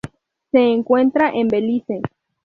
Se encuentran en Belice.